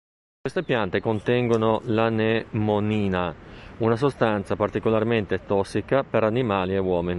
Queste piante contengono l"'anemonina"; una sostanza particolarmente tossica per animali e uomini.